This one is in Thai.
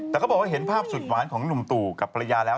แต่ก็บอกว่าเห็นภาพสุดหวานของหนุ่มตู่กับภรรยาแล้ว